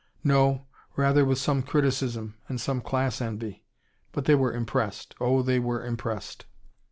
No, rather with some criticism, and some class envy. But they were impressed. Oh, they were impressed!